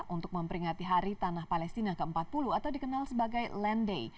untuk memperingati hari tanah palestina ke empat puluh atau dikenal sebagai land day